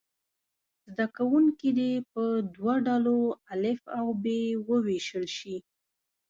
زده کوونکي دې په دوه ډلو الف او ب وویشل شي.